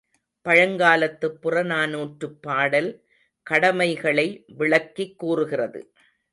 பழங்காலத்துப் புறநானூற்றுப் பாடல் கடமைகளை விளக்கிக் கூறுகிறது.